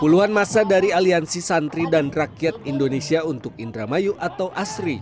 puluhan masa dari aliansi santri dan rakyat indonesia untuk indramayu atau asri